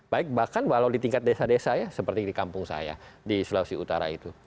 baik bahkan walau di tingkat desa desa ya seperti di kampung saya di sulawesi utara itu